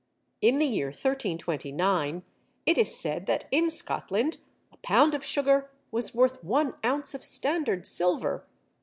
In the year 1329 it is said that in Scotland a pound of sugar was worth one ounce of standard silver.